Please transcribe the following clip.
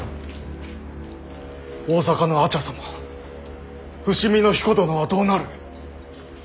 大坂の阿茶様伏見の彦殿はどうなる。